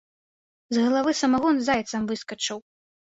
З галавы самагон зайцам выскачыў.